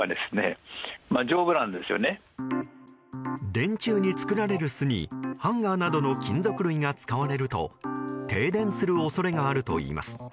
電柱に作られる巣にハンガーなどの金属類が使われると停電する恐れがあるといいます。